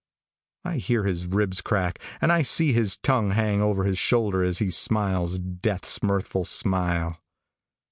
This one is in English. I hear his ribs crack, and I see his tongue hang over his shoulder as he smiles death's mirthful smile.